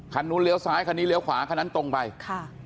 คันนู้นเลี้ยวซ้ายคันนี้เลี้ยวขวาคันนั้นตรงไปค่ะ